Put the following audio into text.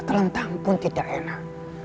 terlentang pun tidak enak